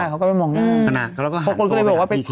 ใช่เขาก็ไม่มองหน้าเขาก็หันตัวมา